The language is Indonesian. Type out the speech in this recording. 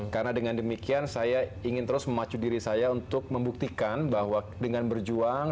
karena dengan demikian saya ingin terus memacu diri saya untuk membuktikan bahwa dengan berjuang